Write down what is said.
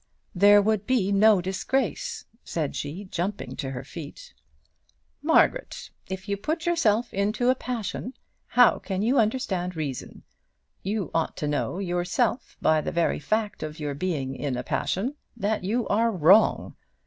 "There would be no disgrace," said she, jumping to her feet. "Margaret, if you put yourself into a passion, how can you understand reason? You ought to know, yourself, by the very fact of your being in a passion, that you are wrong.